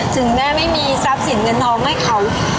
ถึงแม่ไม่มีทรัพย์สินเงินทองให้เขา